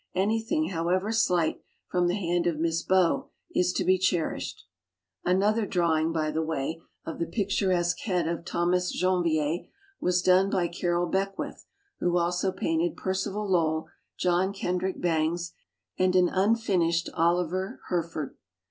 Anything, however slight, from the hand of Miss Beaux is to be cherished. Another drawing, by the way, of the picturesque head of Thomas Janvier was done by Carroll Beckwith, who also painted Percival Lowell, John Eendrick Bangs, and an unfinished Oliver Herf ord.